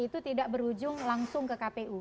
itu tidak berujung langsung ke kpu